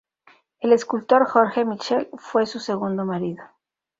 El escultor Jorge Michel fue su segundo marido.